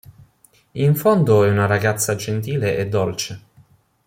In fondo è una ragazza gentile e dolce.